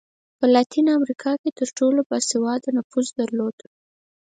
په لاتینه امریکا کې تر ټولو با سواده نفوس درلود.